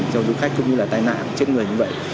cho du khách cũng như là tai nạn chết người như vậy